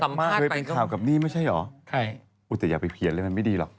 มากเคยเป็นข่าวกับนี่ไม่ใช่เหรอใช่แต่อย่าไปเพียนเลยมันไม่ดีหรอก